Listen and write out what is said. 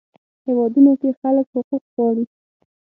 هیوادونو کې خلک حقوق غواړي.